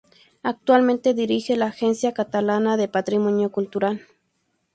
Actualmente dirige la Agencia Catalana de Patrimonio Cultural.